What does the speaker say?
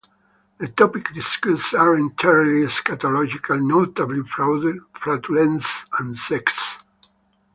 The topics discussed are entirely scatological, notably flatulence and sex.